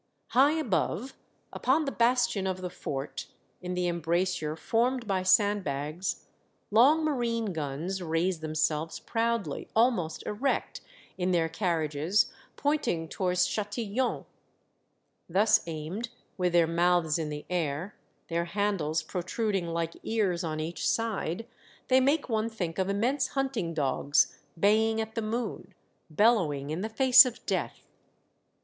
High above, upon the bastion of the fort, in the embrasure formed by sandbags, long marine guns raise themselves proudly, almost erect in their car riages, pointing towards Chatillon. Thus aimed, with their mouths in the air, their handles protrud ing like ears on each side, they make one think of immense hunting dogs baying at the moon, bel lowing in the face of death.